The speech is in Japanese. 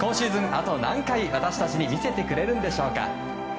あと何回、私たちに見せてくれるんでしょうか。